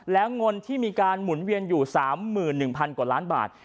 แล้วเงินที่มีการหมุนเวียนอยู่๓๑๐๐๐กว่าล้านบาท